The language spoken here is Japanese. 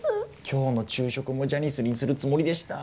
今日の昼食もジャニスにするつもりでした。